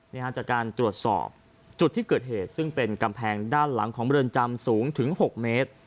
จากการตรวจสอบจุดที่เกิดเหตุซึ่งเป็นกำแพงด้านหลังของเรือนจำสูงถึง๖เมตร